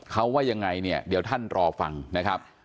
เขาว่ายังไงเนี่ยเดี๋ยวท่านรอฟังนะครับ